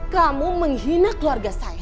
kamu menghina keluarga saya